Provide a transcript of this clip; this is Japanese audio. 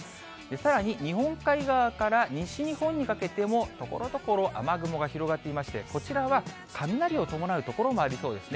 さらに日本海側から西日本にかけても、ところどころ、雨雲が広がっていまして、こちらは雷を伴う所もありそうですね。